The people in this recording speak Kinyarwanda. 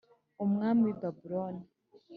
umwami w i Babuloni